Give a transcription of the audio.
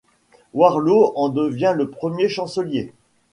Wardlaw en devient le premier chancelier.